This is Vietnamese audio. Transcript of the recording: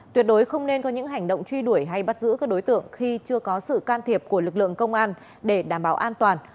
tuyệt đối không nên có những hành động truy đuổi hay bắt giữ các đối tượng khi chưa có sự can thiệp của lực lượng công an để đảm bảo an toàn